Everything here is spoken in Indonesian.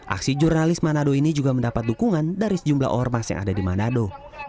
aksi jurnalis manado ini juga mendapat dukungan dari sejumlah ormas yang ada di manado